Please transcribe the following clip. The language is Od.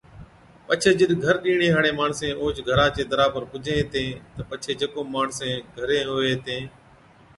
پڇي جِڏ گھر ڏِيڻي ھاڙين ماڻسين اوھچ گھرا چي درا پر پُجين ھِتين تہ پڇي جڪو ماڻسين گھرين ھُوَي ھِتين